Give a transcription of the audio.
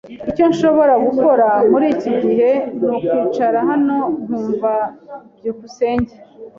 Icyo nshobora gukora muriki gihe nukwicara hano nkumva. byukusenge